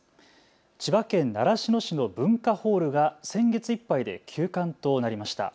千葉県習志野市の文化ホールが先月いっぱいで休館となりました。